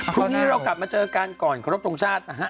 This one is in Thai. พรุ่งนี้เรากลับมาเจอกันก่อนครบโชงชาติ